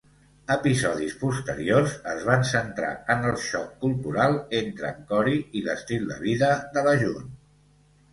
Episodis posteriors es van centrar en el xoc cultural entre en Corey i l'estil de vida de la June.